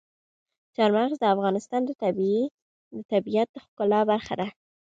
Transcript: چار مغز د افغانستان د طبیعت د ښکلا برخه ده.